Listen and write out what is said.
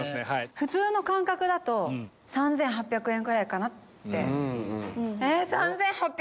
普通の感覚だと３８００円ぐらいかなって。